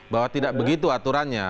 bahwa tidak begitu aturannya